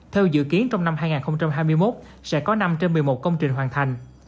theo dự kiến trong năm hai nghìn hai mươi một sẽ có năm trên một mươi một công trình hoàn thành